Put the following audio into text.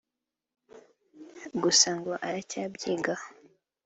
gusa ngo aracyabyigaho